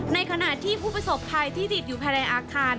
ในขณะที่ผู้ประสบภัยที่ติดอยู่ภายในอาคาร